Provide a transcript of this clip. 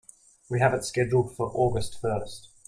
We have it scheduled for August first.